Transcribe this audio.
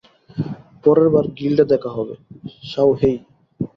পরেরবার গিল্ডে দেখা হবে, শাওহেই।